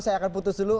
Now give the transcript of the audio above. saya akan putus dulu